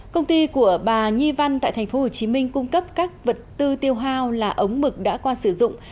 công ty của bà nhi văn tại tp hcm cung cấp các vật tư tiêu hao là ống mực đã qua sử dụng